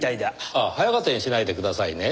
ああ早合点しないでくださいね。